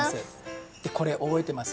これおぼえてます？